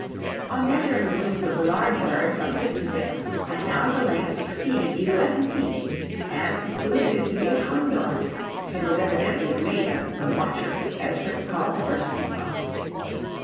On measuring the wings of the large bird from tip to tip, I found the length exceeded eleven feet, and concluded it to be a condor; it was evidently the mate of the "Watcher," as Fritz called the first we saw.